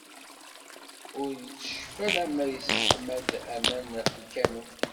Ur iteccef alamma yesseḥma-d aman ɣef lkanun.